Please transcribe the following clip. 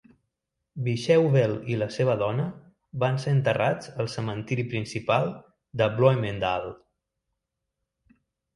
Biesheuvel i la seva dona van ser enterrats al cementiri principal de Bloemendaal.